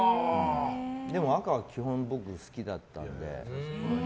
でも赤は基本、僕好きだったので。